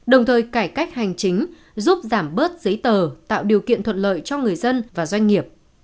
đồng thời cải cách hành chính giúp giảm bớt giấy tờ tạo điều kiện thuận lợi cho người dân và doanh nghiệp